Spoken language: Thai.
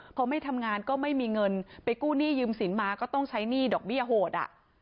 พอไม่ทำงานก็ไม่มีเงินไปกู้หนี้ยืมสินมาก็ต้องใช้หนี้ดอกเบี้ยโหดอ่ะ